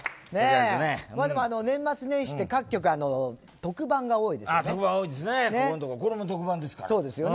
年末年始って各局特番が多いですよね。